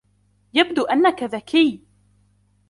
يبدو أنك ذكي.